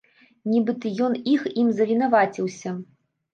Нібыта, ён іх ім завінаваціўся.